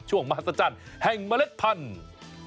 มหัศจรรย์แห่งเมล็ดพันธุ์